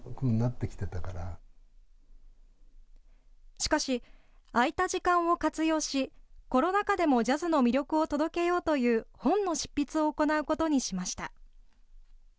しかし空いた時間を活用し、コロナ禍でもジャズの魅力を届けようという本の執筆を行うことにしました。